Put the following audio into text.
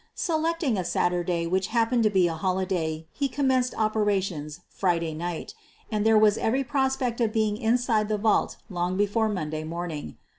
Selecting a Saturday which happened to be a holi day, he commenced operations Friday night, and there was every prospect of being inside the vault long before Monday morning.